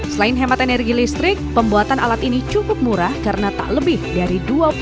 selain hemat energi listrik pembuatan alat ini cukup murah karena tak lebih dari dua puluh